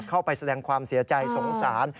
เข้าไปแสดงความเสียใจสงสาร